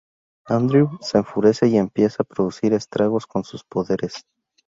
Andrew se enfurece y empieza a producir estragos con sus poderes.